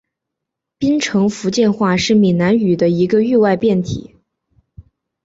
槟城福建话是闽南语的一个域外变体。